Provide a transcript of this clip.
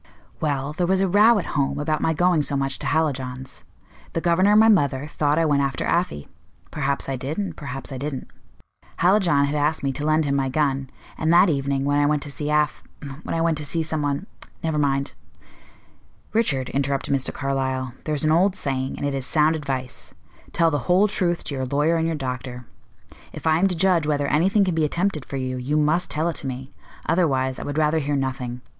"Well, there was a row at home about my going so much to Hallijohn's. The governor and my mother thought I went after Afy; perhaps I did, and perhaps I didn't. Hallijohn had asked me to lend him my gun, and that evening, when I went to see Af when I went to see some one never mind " "Richard," interrupted Mr. Carlyle, "there's an old saying, and it is sound advice: 'Tell the whole truth to your lawyer and your doctor.' If I am to judge whether anything can be attempted for you, you must tell it to me; otherwise, I would rather hear nothing.